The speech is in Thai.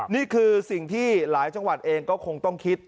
นี่คือสิ่งที่หลายจังหวัดเองก็คงต้องคิด